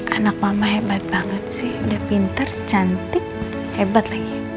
anak mama hebat banget sih udah pinter cantik hebat lagi